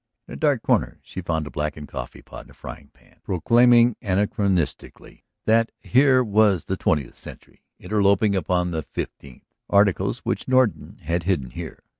In a dark corner she found a blackened coffee pot and a frying pan, proclaiming anachronistically that here was the twentieth century interloping upon the fifteenth, articles which Norton had hidden here.